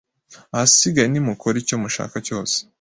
ahasigaye nimukore icyo mushaka cyose